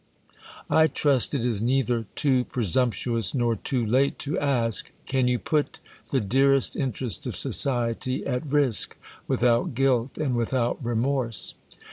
I trust it is neither too presumptuous nor tod late to^ ask, Can you put the dearest interest of society at risk, without guilt, and without remorse